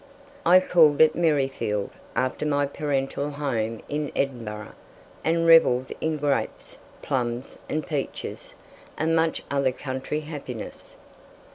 I called it Maryfield, after my parental home in Edinburgh, and revelled in grapes, plums, and peaches, and much other country happiness.